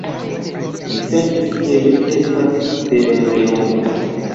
Mi sentis, ke mi estas pereonta.